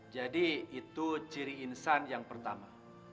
jadi itu ciri insan yang pertama